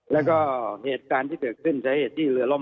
แล้วก็เหตุการณ์ที่เกิดขึ้นสาเหตุที่เรือล่ม